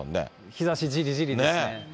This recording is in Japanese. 日ざしじりじりですね。